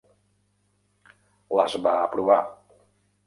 Les va aprovar.